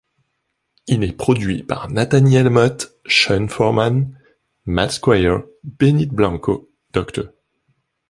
Il est produit par Nathaniel Motte, Sean Foreman, Matt Squire, Benny Blanco, Dr.